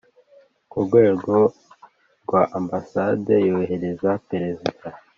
ku rwego rwa Ambasade yoherereza Perezida